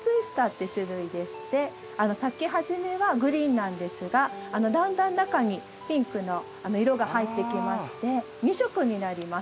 ’って種類でして咲き始めはグリーンなんですがだんだん中にピンクの色が入ってきまして２色になります。